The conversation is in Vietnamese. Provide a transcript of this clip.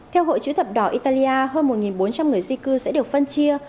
theo hội chữ thập đỏ italia hơn một bốn trăm linh người di cư sẽ được phân chia